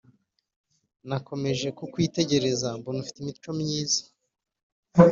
nakomeje kukwitegereza mbona ufite imico myiza